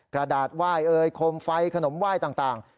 กระดาษไหว้เอ่ยโคมไฟขนมไหว้ต่าง